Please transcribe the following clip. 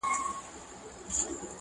نن یاغي یم له زندانه ځنځیرونه ښخومه!